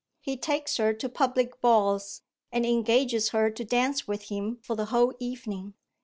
He takes her to public balls, and engages her to dance with him for the whole evening.